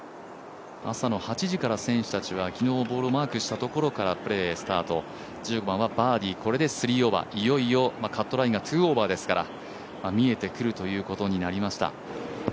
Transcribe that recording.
朝の８時から選手たちは昨日ボールをマークしたところからプレースタート、１０番はパー３、いよいよカットラインが２オーバーですから見えてくるということになりました。